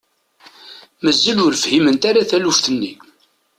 Mazal ur fhiment ara taluft-nni.